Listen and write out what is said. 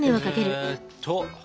えっと。